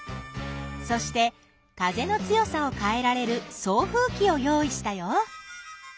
そして風の強さをかえられる送風きをよういしたよ。